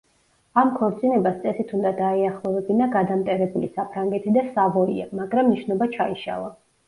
ამ ქორწინებას წესით უნდა დაეახლოვებინა გადამტერებული საფრანგეთი და სავოია, მაგრამ ნიშნობა ჩაიშალა.